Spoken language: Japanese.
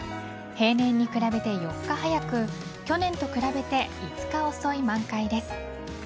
平年に比べて４日早く去年と比べて５日遅い満開です。